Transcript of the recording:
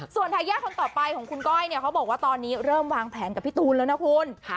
ส่วนทายาทคนต่อไปของคุณก้อยเนี่ยเขาบอกว่าตอนนี้เริ่มวางแผนกับพี่ตูนแล้วนะคุณ